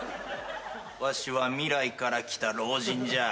わしは未来から来た老人じゃ。